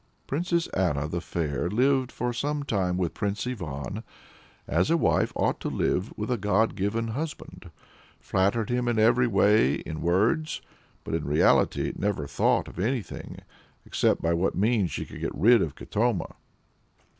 Princess Anna the Fair lived for some time with Prince Ivan as a wife ought to live with a god given husband, flattered him in every way in words, but in reality never thought of anything except by what means she might get rid of Katoma.